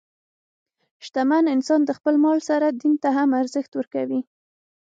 شتمن انسان د خپل مال سره دین ته هم ارزښت ورکوي.